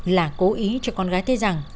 là cố ý cho con gái thế rằng